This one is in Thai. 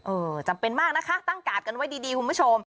จำเป็นมากนะคะตั้งกาดกันไว้ดีคุณผู้ชม